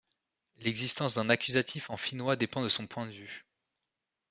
L'existence d'un accusatif en finnois dépend de son point de vue.